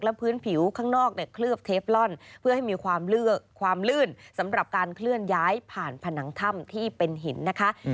พื้นผิวข้างนอกเนี่ยเคลือบเทปล่อนเพื่อให้มีความลื่นสำหรับการเคลื่อนย้ายผ่านผนังถ้ำที่เป็นหินนะคะ